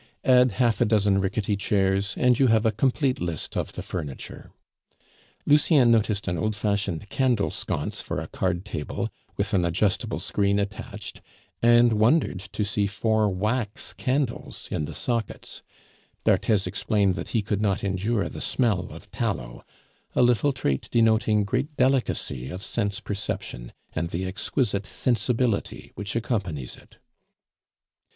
Add half a dozen rickety chairs, and you have a complete list of the furniture. Lucien noticed an old fashioned candle sconce for a card table, with an adjustable screen attached, and wondered to see four wax candles in the sockets. D'Arthez explained that he could not endure the smell of tallow, a little trait denoting great delicacy of sense perception, and the exquisite sensibility which accompanies it.